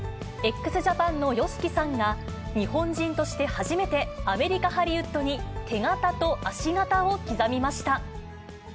ＸＪＡＰＡＮのＹＯＳＨＩＫＩさんが、日本人として初めて、アメリカ・ハリウッドに手形と足形を刻みました。